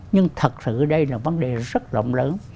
nhưng thật sự đây là vấn đề rất rộng lớn